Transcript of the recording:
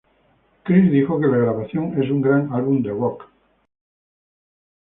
Chris dijo que la grabación es un gran álbum de rock.